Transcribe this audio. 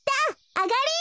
あがり！